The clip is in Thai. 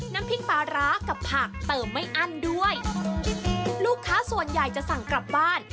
น้ำพริกปลาร้ากับผักเติมไม่อั้นด้วยลูกค้าส่วนใหญ่จะสั่งกลับบ้าน